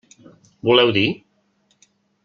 Voleu dir?